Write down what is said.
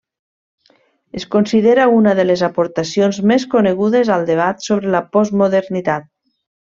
Es considera una de les aportacions més conegudes al debat sobre la postmodernitat.